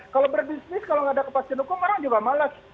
kalau berbisnis kalau nggak ada kepastian hukum orang juga malas